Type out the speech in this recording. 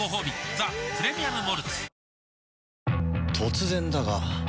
「ザ・プレミアム・モルツ」